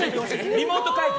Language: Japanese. リモート会議。